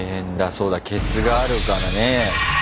そうだケツがあるからね。